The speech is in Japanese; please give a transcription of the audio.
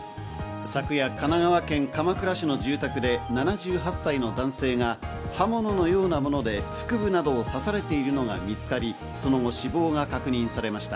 昨夜、神奈川県鎌倉市の住宅で７８歳の男性が刃物のようなもので腹部などを刺されているのが見つかり、その後死亡が確認されました。